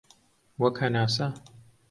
وەک هەناسە